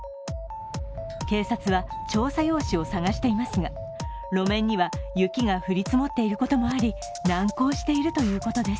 警察は調査用紙を探していますが、路面には雪が降り積もっていることもあり難航しているということです。